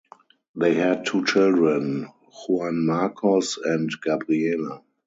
They had two children, Juan Marcos and Gabriela.